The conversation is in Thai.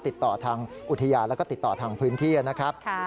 ติดต่อทางอุทยานแล้วก็ติดต่อทางพื้นที่นะครับ